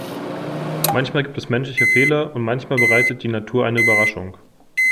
Manchmal gibt es menschliche Fehler und manchmal bereitet die Natur eine Überraschung.